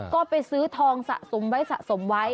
ก็ไปซื้อทองสะสมไว้สะสมไว้